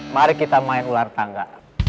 mari kita main ular tangga